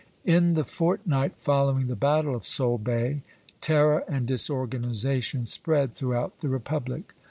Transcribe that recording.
In the fortnight following the battle of Solebay, terror and disorganization spread throughout the republic.